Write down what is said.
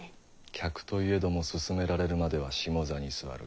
客といえども勧められるまでは「下座」に座る。